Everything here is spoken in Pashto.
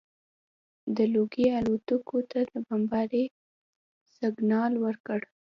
دا لوګي الوتکو ته د بمبارۍ سګنال ورکړ